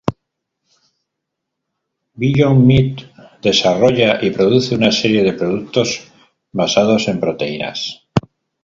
Beyond Meat desarrolla y produce una serie de productos basados en proteínas.